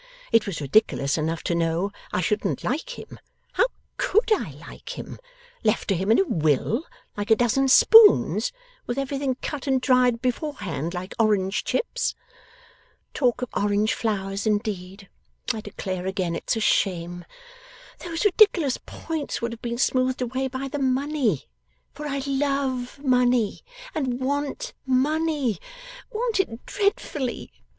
It was ridiculous enough to know I shouldn't like him how COULD I like him, left to him in a will, like a dozen of spoons, with everything cut and dried beforehand, like orange chips. Talk of orange flowers indeed! I declare again it's a shame! Those ridiculous points would have been smoothed away by the money, for I love money, and want money want it dreadfully.